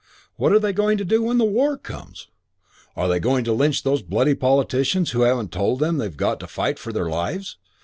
What are they going to do when the war comes? Are they going to lynch these bloody politicians who haven't told them they've got to fight for their lives?